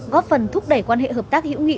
góp phần thúc đẩy quan hệ hợp tác hữu nghị